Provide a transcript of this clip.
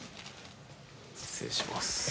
失礼します。